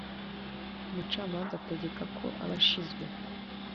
Umucamanza ategeka ko abashinzwe